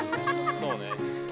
そうね。